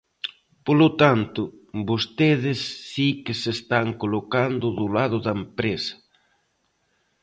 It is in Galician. Polo tanto, vostedes si que se están colocando do lado da empresa.